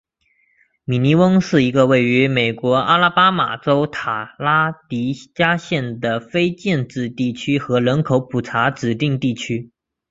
米尼翁是一个位于美国阿拉巴马州塔拉迪加县的非建制地区和人口普查指定地区。